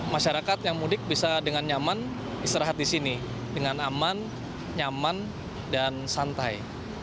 masyarakat yang mudik bisa dengan nyaman istirahat di sini dengan aman nyaman dan santai